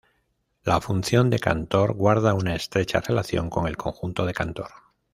La función de Cantor guarda una estrecha relación con el conjunto de Cantor.